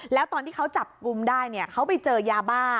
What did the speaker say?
แล้วตอนที่เขาจับกลุ่มได้เขาไปเจอยาบ้า